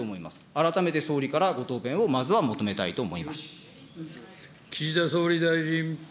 改めて総理から、ご答弁をまずは求めたいと思います。